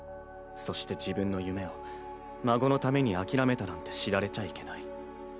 そして自分の夢を孫のために諦めたなんて知られちゃいけない。